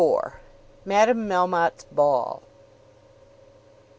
MADAME MELMOTTE'S BALL.